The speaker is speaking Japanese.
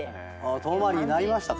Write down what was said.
遠回りになりましたか。